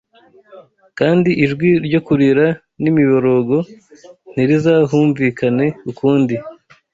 ” kandi “ijwi ryo kurira n’imiborogo [ntirizahumvikane] ukundi